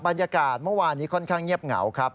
บรรยากาศเมื่อวานนี้ค่อนข้างเงียบเหงาครับ